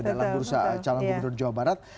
dalam bursa calon gubernur jawa barat